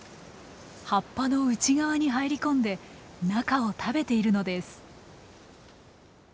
葉っぱの内側に入り込んで中を食べているのです。